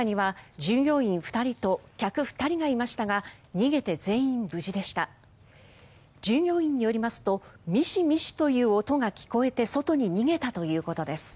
従業員によりますとミシミシという音が聞こえて外に逃げたということです。